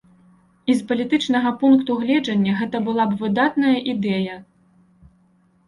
І з палітычнага пункту гледжання гэта была б выдатная ідэя.